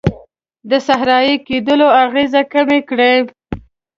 د صحرایې کیدلو اغیزې کمې کړي.